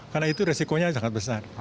karena itu resikonya sangat besar